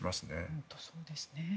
本当そうですね。